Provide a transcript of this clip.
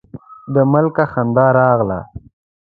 د ملک خندا راغله: